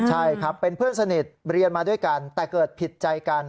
ใช่ครับเป็นเพื่อนสนิทเรียนมาด้วยกันแต่เกิดผิดใจกัน